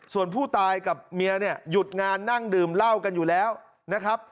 ส่วนผู้ตายกับเมียเนี่ยหยุดงานนั่งดื่มเหล้ากันอยู่แล้วนะครับ